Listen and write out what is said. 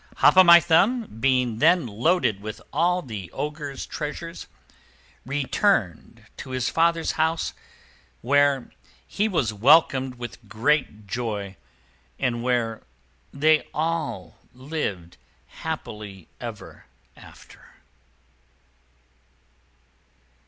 Hop o' My Thumb, being then loaded with all the Ogre's treasures, returned to his father's house, where he was welcomed with great joy and where they all lived happily ever after.